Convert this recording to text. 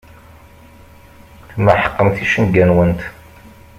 Tmeḥqemt icenga-nwent.